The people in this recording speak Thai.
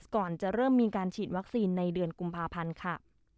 ก่อนจะเริ่มมีการฉีดวัคซีนในเดือนกุมภาพันธ์ค่ะ